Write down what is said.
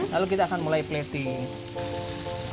lalu kita akan mulai plating